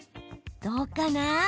どうかな？